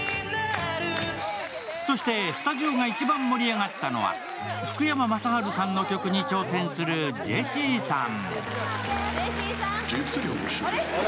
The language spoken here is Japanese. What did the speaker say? そして、スタジオが一番盛り上がったのは、福山雅治さんの曲に挑戦するジェシーさん。